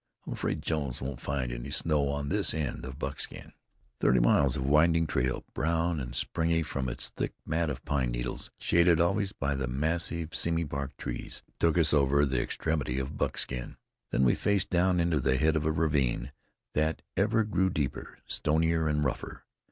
I'm afraid Jones won't find any snow on this end of Buckskin." Thirty miles of winding trail, brown and springy from its thick mat of pine needles, shaded always by the massive, seamy barked trees, took us over the extremity of Buckskin. Then we faced down into the head of a ravine that ever grew deeper, stonier and rougher.